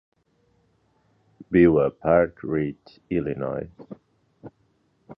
Viu a Park Ridge, Illinois.